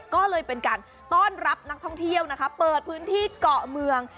ก็เลยเป็นการต้อนรับนักท่องเที่ยวนะคะเปิดพื้นที่เกาะเมือง